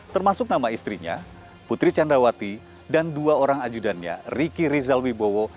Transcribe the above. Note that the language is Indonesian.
termasuk nama istrinya putri candrawati dan dua orang ajudannya riki rizal wibowo